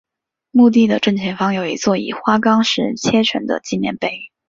墓地的正前方有一座以花岗岩砌成的纪念碑。